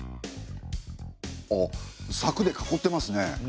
あっさくで囲ってますね。